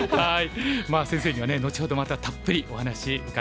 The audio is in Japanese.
まあ先生にはね後ほどまたたっぷりお話伺います。